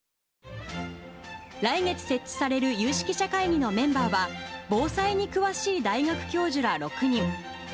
来月設置される有識者会議のメンバーは、防災に詳しい大学教授ら６人。